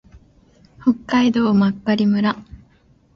北海道真狩村